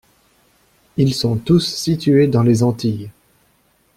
Ils sont tous situés dans les Antilles.